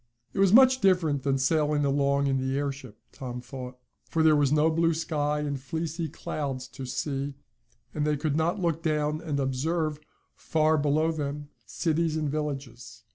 It was much different from sailing along in the airship, Tom thought, for there was no blue sky and fleecy clouds to see, and they could not look down and observe, far below them, cities and villages.